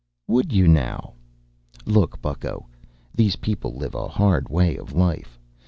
"Would you, now? Look, bucko these people live a hard way of life.